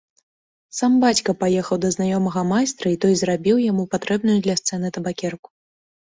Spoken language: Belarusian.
Сам бацька паехаў да знаёмага майстра, і той зрабіў яму патрэбную для сцэны табакерку.